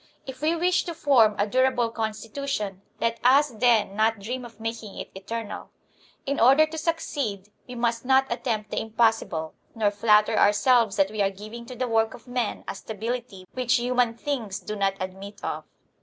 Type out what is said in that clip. If we wish to form a durable constitution, let us, then, not dream of making it eternal. In order to succeed we must not attempt the impossible, nor flatter ourselves that we are giving to the work of men a stability which human things do not admit of.